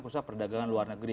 khususnya perdagangan luar negeri